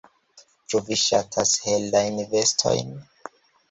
Ĉu vi ŝatas helajn vestojn?